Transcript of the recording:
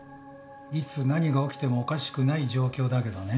いつ何が起きてもおかしくない状況だけどね。